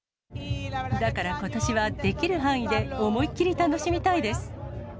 だから、ことしはできる範囲で思いっ切り楽しみたいです。